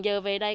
giờ về đây